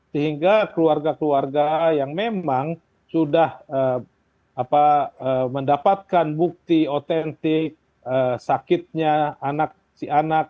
dan juga keluarga keluarga yang memang sudah mendapatkan bukti otentik sakitnya anak si anak